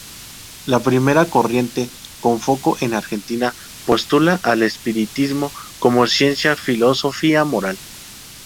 La primera corriente, con foco en Argentina, postula al espiritismo como ciencia-filosofía-moral.